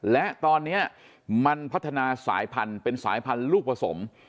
และตอนนี้มันพัฒนาสายพันธุ์เป็นสายพันธุ์ลูกผสม